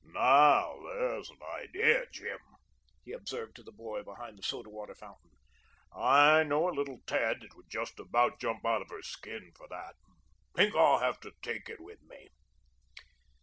"Now, there's an idea, Jim," he observed to the boy behind the soda water fountain; "I know a little tad that would just about jump out of her skin for that. Think I'll have to take it with me."